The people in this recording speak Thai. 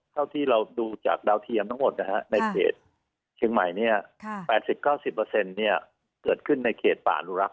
เท่าที่เราดูจากดาวเทียมทั้งหมดในเขตเชียงใหม่๘๐๙๐เกิดขึ้นในเขตป่าอนุรักษ